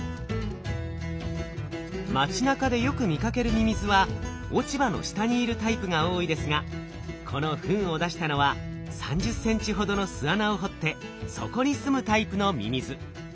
町なかでよく見かけるミミズは落ち葉の下にいるタイプが多いですがこのフンを出したのは３０センチほどの巣穴を掘って底に住むタイプのミミズ。